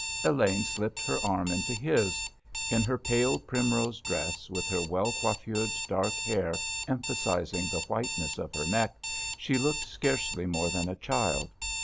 Elaine slipped her arm into his. In her pale primrose dress, with her well coiffeured dark hair emphasising the whiteness of her neck, she looked scarcely more than a child.